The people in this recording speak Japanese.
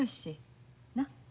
なっ？